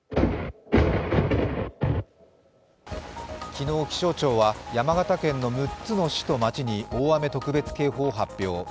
昨日、気象庁は山形県の６つの市と町に大雨特別警報を発表。